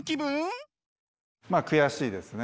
まあ悔しいですね。